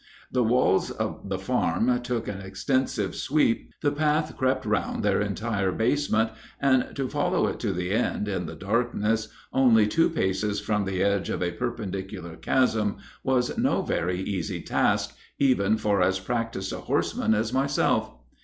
The walls of the farm took an extensive sweep, the path crept round their entire basement, and to follow it to the end, in the darkness, only two paces from the edge of a perpendicular chasm, was no very easy task, even for as practiced a horseman as myself.